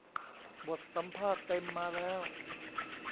บทสัมภาษณ์เต็มมาแล้ว